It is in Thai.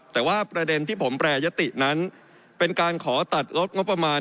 แต่ว่าประเด็นที่ผมแปรยตินั้นเป็นการขอตัดลดงบประมาณ